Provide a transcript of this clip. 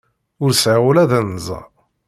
Ur sɛiɣ ula d anza.